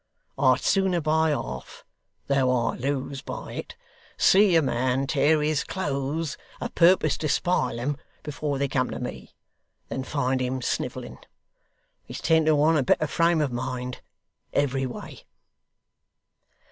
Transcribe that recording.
I'd sooner by half, though I lose by it, see a man tear his clothes a' purpose to spile 'em before they come to me, than find him snivelling. It's ten to one a better frame of mind, every way!